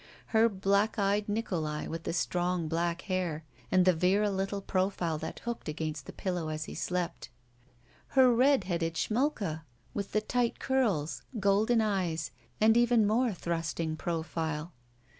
Her black eyed Nikolai with the strong black hair and the virile little profile that hooked against the pillow as he slept. Her red headed Schmulka with the tight curls, golden eyes, and even more thrusting profile.